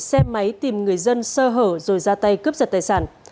thủ đoạn của đối tượng là điều khiển xe máy tìm người dân sơ hở rồi ra tay cướp giật tài sản